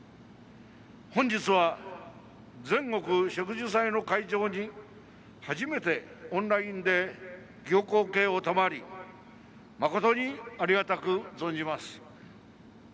本日は、全国植樹祭の会場に初めてオンラインで行幸啓を賜り誠にありがたく存じます。